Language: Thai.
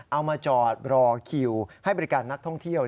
เอามาจอดรอคิวให้บริการนักท่องเที่ยว